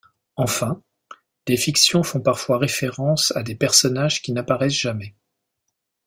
Enfin, des fictions font parfois référence à des personnages qui n'apparaissent jamais.